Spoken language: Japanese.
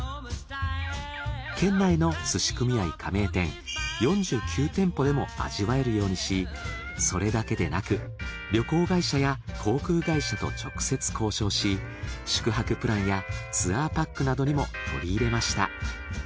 県内のすし組合加盟店４９店舗でも味わえるようにしそれだけでなく旅行会社や航空会社と直接交渉し宿泊プランやツアーパックなどにも取り入れました。